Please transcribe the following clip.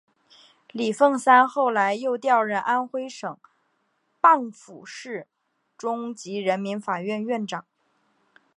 李奉三后来又调任安徽省蚌埠市中级人民法院院长。